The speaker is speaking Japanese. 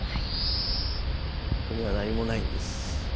ここには何もないんです。